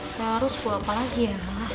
harus buah apa lagi ya